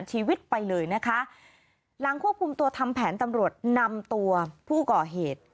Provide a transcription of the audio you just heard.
หลังควบคุมตัวทำแผนตำรวจนำตัวผู้ก่อเหตุ